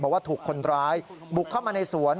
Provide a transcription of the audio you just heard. บอกว่าถูกคนร้ายบุกเข้ามาในสวน